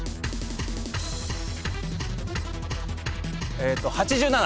えーっと８７。